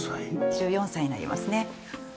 １４歳になりますね。